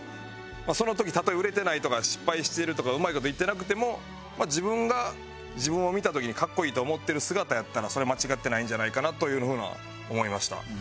その時たとえ売れてないとか失敗しているとかうまい事いってなくても自分が自分を見た時にかっこいいと思ってる姿やったらそれは間違ってないんじゃないかなというふうな思いました。